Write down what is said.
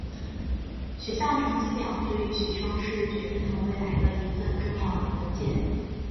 学校成绩表对于学生是决定他们未来的一份重要的文件。